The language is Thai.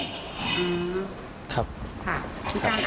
คงภาพมีประกอบใช้นิยร์